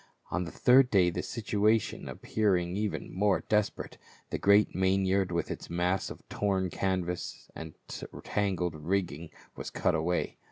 On the third day, the situation appearing even more desperate, the great main yard with its mass of torn canvass and tangled rigging was cut away.